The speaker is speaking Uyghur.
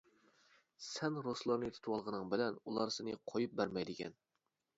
سەن رۇسلارنى تۇتۇۋالغىنىڭ بىلەن ئۇلار سېنى قويۇپ بەرمەيدىكەن.